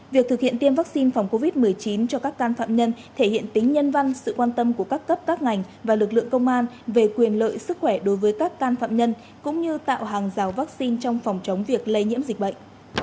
việc thực hiện tiêm vaccine phòng covid một mươi chín cho các can phạm nhân thể hiện tính nhân văn sự quan tâm của các cấp các ngành và lực lượng công an về quyền lợi sức khỏe đối với các can phạm nhân cũng như tạo hàng rào vaccine trong phòng chống việc lây nhiễm dịch bệnh